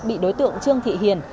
bị đối tượng trương thị hiền